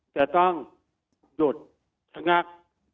จะต้องหยุดขนัก